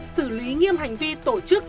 xử lý nghiêm hành vi tổ chức